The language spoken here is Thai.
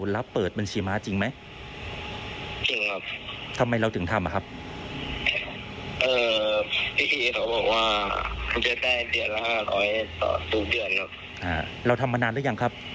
น้องเอาไปทำอะไรเอ่ย